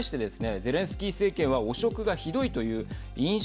ゼレンスキー政権は汚職がひどいという印象